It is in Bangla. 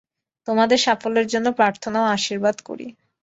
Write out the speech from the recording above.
তোমার সাফল্যের জন্য প্রার্থনা ও আশীর্বাদ করি।